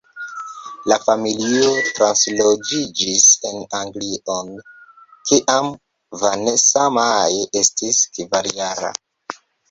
La familio transloĝiĝis en Anglion, kiam Vanessa-Mae estis kvarjara.